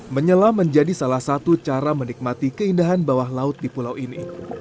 menyelam menjadi salah satu cara menikmati keindahan bawah laut di pulau ini